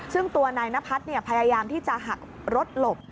ซึ่งตัวนายนพัฒน์พยายามที่จะหักรถหลบ